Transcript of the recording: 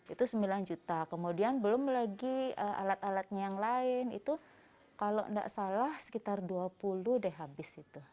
itu sembilan juta kemudian belum lagi alat alatnya yang lain itu kalau tidak salah sekitar dua puluh deh habis itu